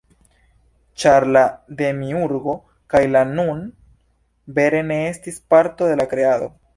Ĉar la Demiurgo kaj la "Nun" vere ne estis parto de la Kreado.